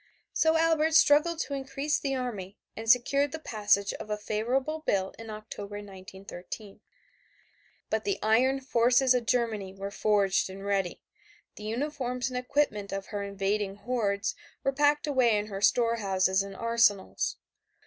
So Albert struggled to increase the army and secured the passage of a favorable bill in October, 1913. But the iron forces of Germany were forged and ready; the uniforms and equipment of her invading hordes were packed away in her storehouses and arsenals.